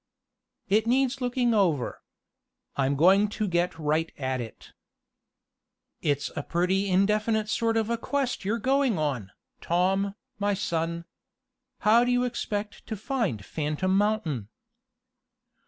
"It needs looking over. I'm going to get right at it." "It's a pretty indefinite sort of a quest you're going on, Tom, my son. How do you expect to find Phantom Mountain?"